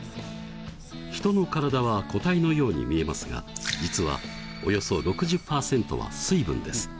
人の体は固体のように見えますが実はおよそ６０％は水分です。